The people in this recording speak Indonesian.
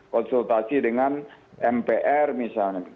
konsultasi dengan mpr misalnya